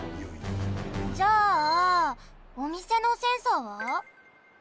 じゃあおみせのセンサーは？